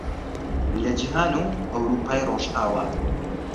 لە جیهان و لە ئەورووپای ڕۆژاوا